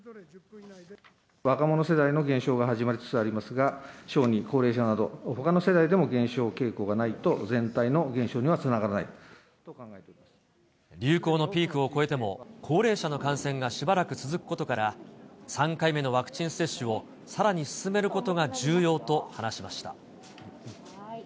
若者世代の減少が始まりつつありますが、小児、高齢者などほかの世代でも減少傾向がないと全体の減少にはつなが流行のピークを越えても、高齢者の感染がしばらく続くことから、３回目のワクチン接種をさらに進めることが重要と話しました。